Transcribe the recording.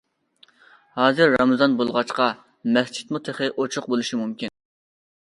ھازىر رامىزان بولغاچقا، مەسچىتمۇ تېخى ئوچۇق بولۇشى مۇمكىن.